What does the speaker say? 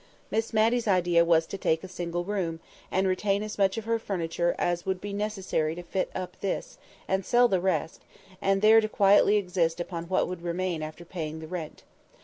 Miss Matty's idea was to take a single room, and retain as much of her furniture as would be necessary to fit up this, and sell the rest, and there to quietly exist upon what would remain after paying the rent.